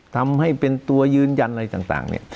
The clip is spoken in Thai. ทำให้เป็นตัวยืนยันอะไรต่างเนี่ย